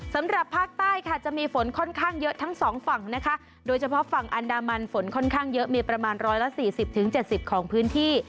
สำหรับภาคใต้ค่ะจะมีฝนค่อนข้างเยอะทั้ง๒ฝั่งนะคะโดยเฉพาะฝั่งอันดามันฝนค่อนข้างเยอะมีประมาณ๑๔๐๗๐ของพื้นที่